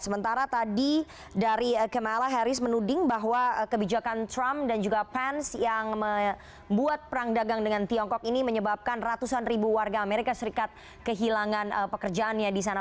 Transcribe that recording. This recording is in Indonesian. sementara tadi dari kamala harris menuding bahwa kebijakan trump dan juga pens yang membuat perang dagang dengan tiongkok ini menyebabkan ratusan ribu warga amerika serikat kehilangan pekerjaannya di sana